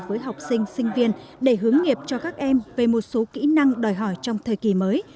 với học sinh sinh viên để hướng nghiệp cho các em về một số kỹ năng đòi hỏi trong thời kỳ mới